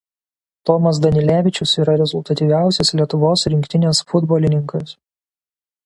Tomas Danilevičius yra rezultatyviausias Lietuvos rinktinės futbolininkas.